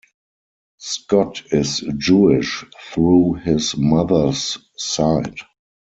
Scott is Jewish through his mother's side.